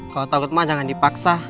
kalau takut mah jangan dipaksa